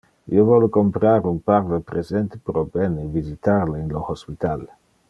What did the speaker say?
Io vole comprar un parve presente pro Ben e visitar le in le hospital.